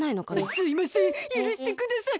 すいませんゆるしてください。